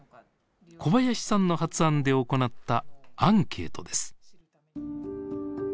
小林さんの発案で行ったアンケートです。